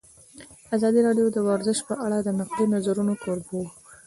ازادي راډیو د ورزش په اړه د نقدي نظرونو کوربه وه.